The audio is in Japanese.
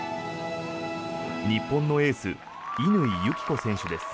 日本のエース乾友紀子選手です。